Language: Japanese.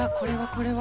これは？